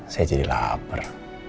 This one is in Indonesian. saya jadi lapar